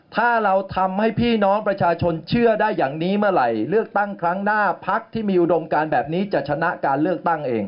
ถ้าเราทำให้พี่น้องประชาชนเชื่อได้อย่างนี้เมื่อไหร่เลือกตั้งครั้งหน้าพักที่มีอุดมการแบบนี้จะชนะการเลือกตั้งเอง